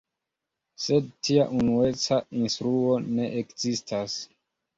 Sed tia unueca instruo ne ekzistas.